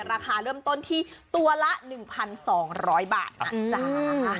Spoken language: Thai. ราคาเริ่มต้นที่ตัวละ๑๒๐๐บาทนะจ๊ะ